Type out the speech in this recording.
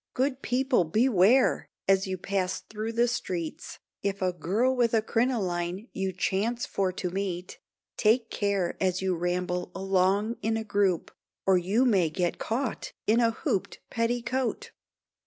Good people, beware! as you pass through the streets, If a girl with a crinoline you chance for to meet, Take care as you ramble along in a group, Or, you may get caught in a hooped petticoat.